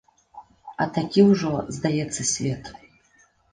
А такі ўжо, здаецца, свет.